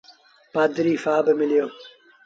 پڌريٚ سآب مليو۔